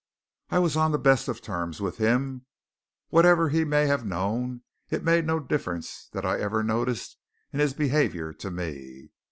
I was on the best of terms with him whatever he may have known, it made no difference that I ever noticed in his behaviour to me.